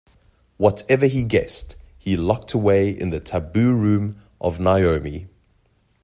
Whatever he guessed he locked away in the taboo room of Naomi.